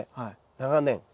長年。